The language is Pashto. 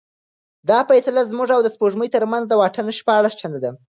دا فاصله زموږ او د سپوږمۍ ترمنځ د واټن شپاړس چنده ده.